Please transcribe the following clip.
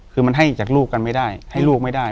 คือมันให้จากลูกกันไม่ได้ให้ลูกไม่ได้